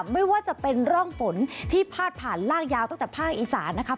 ไม่ว่าจะเป็นร่องฝนที่พาดผ่านลากยาวตั้งแต่ภาคอีสานนะครับ